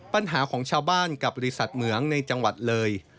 ปัญหาของชาวบ้านกับบริษัทเหมืองในจังหวัดเลย